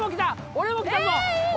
俺もきたぞ！